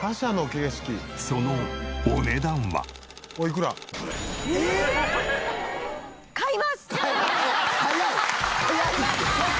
そのお値段は。えっ！？